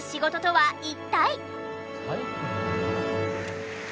はい。